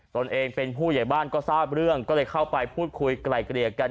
ตัวเองเป็นผู้ใหญ่บ้านก็ทราบเรื่องก็เลยเข้าไปพูดคุยไกลเกลี่ยกัน